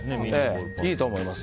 いいと思います。